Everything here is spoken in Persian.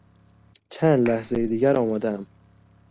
چند لحظهی دیگر آمادهام.